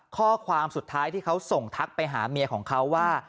ข้อความสุดท้ายที่เขาส่งทักไปหาเมียของเขาว่า